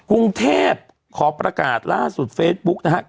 กรุงเทพขอประกาศล่าสุดเฟซบุ๊กนะครับ